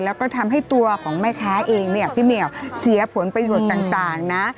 แล้วก็ทำให้ตัวของแม่ค้าเองเนี่ยพี่เหมียวเสียผลประโยชน์ต่างนะ